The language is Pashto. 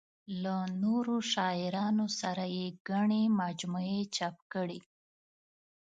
له نورو شاعرانو سره یې ګڼې مجموعې چاپ کړې.